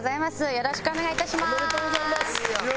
よろしくお願いします！